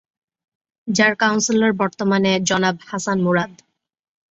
যার কাউন্সিলর বর্তমানে জনাব হাসান মুরাদ।